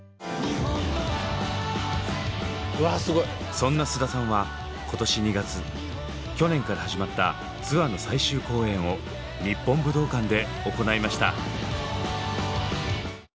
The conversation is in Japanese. そんな菅田さんは今年２月去年から始まったツアーの最終公演を日本武道館で行いました。